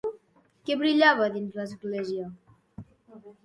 Què brillava dins l'església?